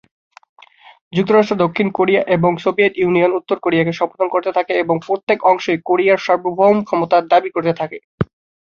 যুক্তরাষ্ট্র দক্ষিণ কোরিয়াকে এবং সোভিয়েত ইউনিয়ন উত্তর কোরিয়াকে সমর্থন করতে থাকে এবং প্রত্যেক অংশই কোরিয়ার সার্বভৌম ক্ষমতা দাবি করতে থাকে।